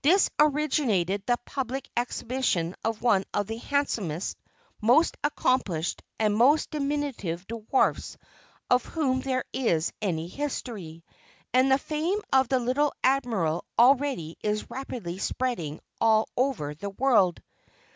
Thus originated the public exhibition of one of the handsomest, most accomplished, and most diminutive dwarfs of whom there is any history, and the fame of the little Admiral already is rapidly spreading all over the world.